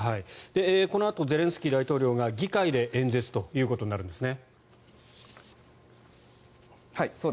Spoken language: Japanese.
このあとゼレンスキー大統領が議会で演説ということになるんですね。